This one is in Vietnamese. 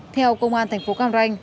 theo công an thành phố cam ranh